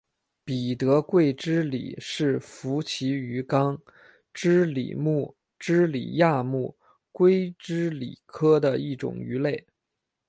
彼得桂脂鲤是辐鳍鱼纲脂鲤目脂鲤亚目鲑脂鲤科的一种鱼类。